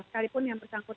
sekalipun yang bersangkutan